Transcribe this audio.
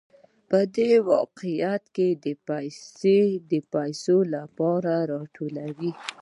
دوی په واقعیت کې پیسې د پیسو لپاره راټولوي